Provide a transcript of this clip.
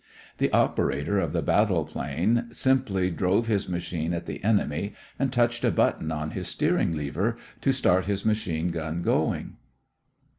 The operator of the battle plane simply drove his machine at the enemy and touched a button on his steering lever to start his machine gun going.